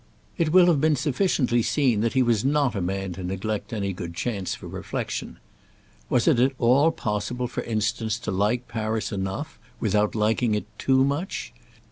It will have been sufficiently seen that he was not a man to neglect any good chance for reflexion. Was it at all possible for instance to like Paris enough without liking it too much?